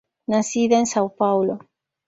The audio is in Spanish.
Nacida en São Paulo.